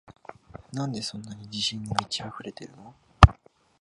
なんでそんなに自信に満ちあふれてるの？